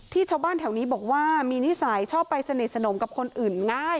ชาวบ้านแถวนี้บอกว่ามีนิสัยชอบไปสนิทสนมกับคนอื่นง่าย